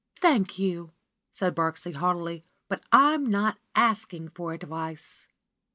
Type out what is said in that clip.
^^Thank you !" said Birksie haughtily. "But I^m not asking for advice."